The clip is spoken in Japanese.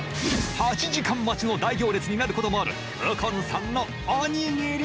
８時間待ちの大行列になることもある右近さんのおにぎり